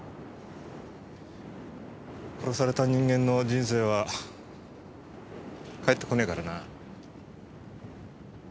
殺された人間の人生はかえってこねえからな。